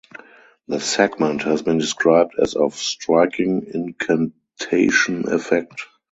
The segment has been described as of "striking incantation effect".